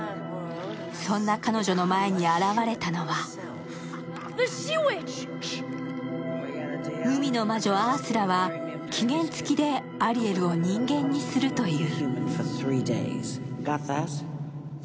そんな彼女の前に現れたのは海の魔女アースラは期限付きでアリエルを人間にするという。